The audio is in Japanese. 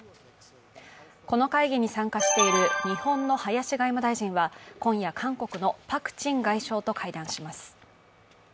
この会議に参加している日本の林外務大臣は今夜、韓国のパク・チン外相と会談します。